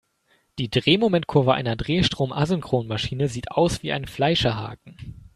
Die Drehmomentkurve einer Drehstrom-Asynchronmaschine sieht aus wie ein Fleischerhaken.